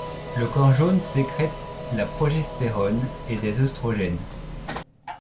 Le corps jaune sécrète la progestérone et des œstrogènes.